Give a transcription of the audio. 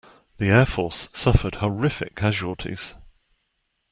The air force suffered horrific casualties.